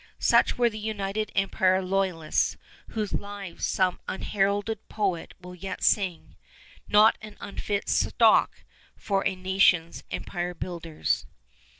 Such were the United Empire Loyalists, whose lives some unheralded poet will yet sing, not an unfit stock for a nation's empire builders.